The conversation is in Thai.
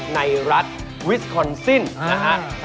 ในรัฐวิสคอนซินนะฮะ